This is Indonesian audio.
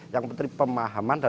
yang penting pemahaman